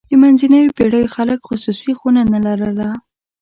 د منځنیو پېړیو خلک خصوصي خونه نه لرله.